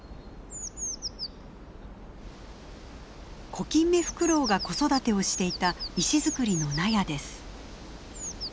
コキンメフクロウが子育てをしていた石造りの納屋です。